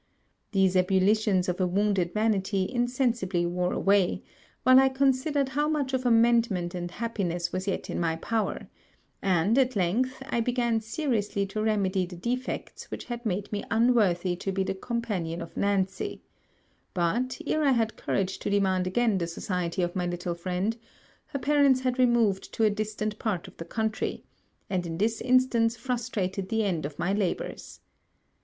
These ebulitions of a wounded vanity insensibly wore away, while I considered how much of amendment and happiness was yet in my power; and, at length, I began seriously to remedy the defects which had made me unworthy to be the companion of Nancy; but, ere I had courage to demand again the society of my little friend, her parents had removed to a distant part of the country, and in this instance frustrated the end of my labours.